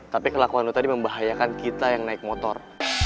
tapi kelakuan itu tadi membahayakan kita yang naik motor